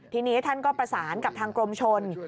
ทีนี้ท่านก็ประสานกับทางกรมชน